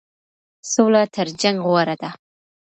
سوله تر جنګ غوره ده.